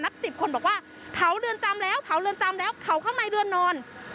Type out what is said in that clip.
สิบคนบอกว่าเผาเรือนจำแล้วเผาเรือนจำแล้วเผาข้างในเรือนนอน